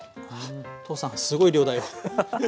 父さんすごい量だよ。